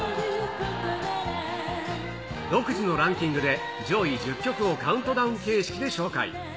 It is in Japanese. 独自のランキングで上位１０曲をカウントダウン形式で紹介。